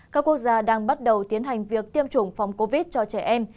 các quốc gia đang bắt đầu tiến hành việc tiêm chủng phòng covid một mươi chín cho trẻ em